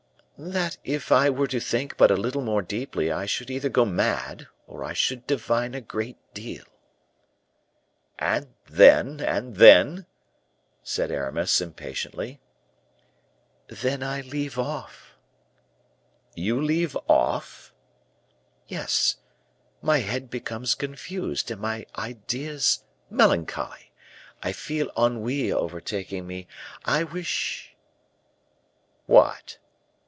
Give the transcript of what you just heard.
"That if I were to think but a little more deeply I should either go mad or I should divine a great deal." "And then and then?" said Aramis, impatiently. "Then I leave off." "You leave off?" "Yes; my head becomes confused and my ideas melancholy; I feel ennui overtaking me; I wish " "What?"